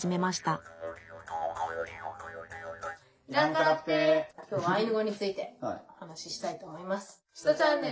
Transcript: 今日はアイヌ語についてお話ししたいと思います。